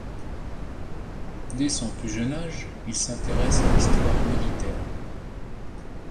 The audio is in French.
Dès son plus jeune âge, il s'intéresse à l'histoire militaire.